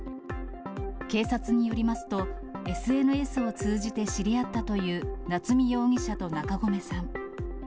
警察によりますと、ＳＮＳを通じて知り合ったという夏見容疑者と中込さん。